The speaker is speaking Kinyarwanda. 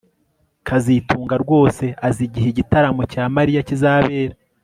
kazitunga rwose azi igihe igitaramo cya Mariya kizabera